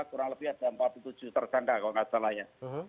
kurang lebih ada empat puluh tujuh tersangka kalau nggak salah ya